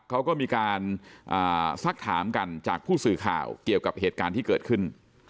เขาก็มีการซักถามกันจากผู้สื่อข่าวเกี่ยวกับเหตุการณ์ที่เกิดขึ้น